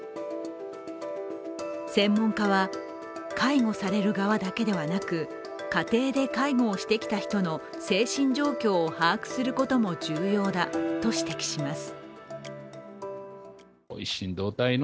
専門家は、介護される側だけではなく家庭で介護をしてきた人の精神状況を把握することも重要だと指摘します。